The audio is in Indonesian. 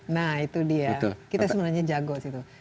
nah itu dia kita sebenarnya jago sih itu